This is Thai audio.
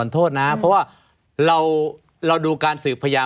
ไม่มีครับไม่มีครับ